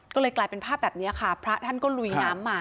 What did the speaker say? ก็เลยกลายเป็นภาพแบบนี้ค่ะพระท่านก็ลุยน้ำมา